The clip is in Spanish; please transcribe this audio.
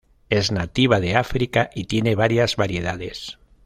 Es nativa de África y tiene varias variedades.